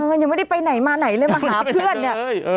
ยังไม่ได้ไปไหนมาไหนเลยมาหาเพื่อนเนี่ย